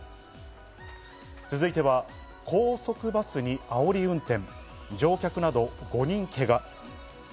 続いては高速バスに、あおり運転、乗客など５人けが。